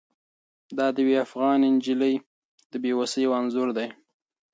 دا د یوې افغانې نجلۍ د بې وسۍ یو انځور دی.